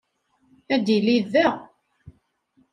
Ad tili da.